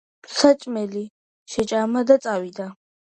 საჭმელი შეჭამა და წავიდა.